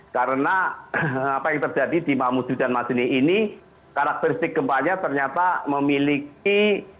karena apa yang terjadi di mahmudud dan mazuni ini karakteristik gempanya ternyata memiliki